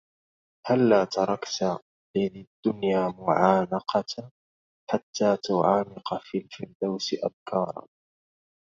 هلا تركت لذي الدنيا معانقة..... حتى تعانق في الفردوس أبكارا